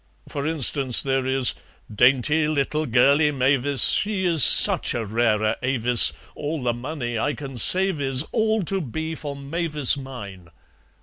For instance, there is: 'Dainty little girlie Mavis, She is such a rara avis, All the money I can save is All to be for Mavis mine.'